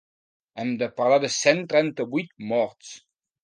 Hem de parlar de cent trenta-vuit morts.